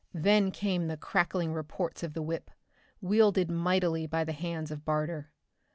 Then came the crackling reports of the whip, wielded mightily by the hands of Barter.